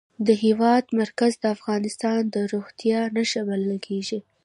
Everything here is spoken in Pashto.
د هېواد مرکز د افغانستان د زرغونتیا نښه بلل کېږي.